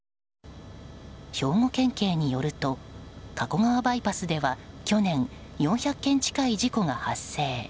兵庫県警によると加古川バイパスでは去年、４００件近い事故が発生。